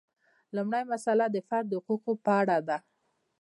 لومړۍ مسئله د فرد د حقوقو په اړه ده.